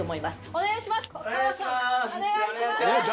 お願いします。